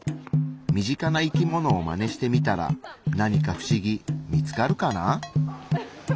身近な生きものをマネしてみたら何か不思議見つかるかな？